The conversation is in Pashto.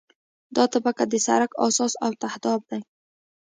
دا طبقه د سرک اساس او تهداب دی